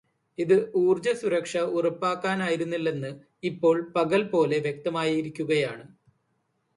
ഇത് ഊർജ സുരക്ഷ ഉറപ്പാക്കാനായിരുന്നില്ലെന്ന് ഇപ്പോൾ പകൽ പോലെ വ്യക്തമായിരിക്കുകയാണ്.